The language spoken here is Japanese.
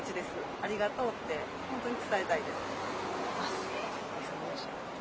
ありがとうって本当に伝えたいです。